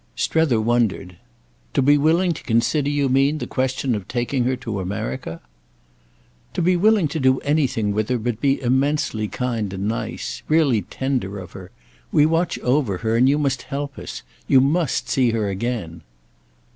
Strether wondered. "To be willing to consider, you mean, the question of taking her to America?" "To be willing to do anything with her but be immensely kind and nice—really tender of her. We watch over her, and you must help us. You must see her again."